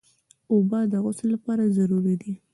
اوبه د غسل لپاره ضروري دي.